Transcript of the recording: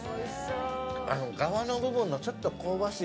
ガワの部分のちょっと香ばしい